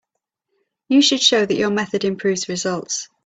You should show that your method improves results.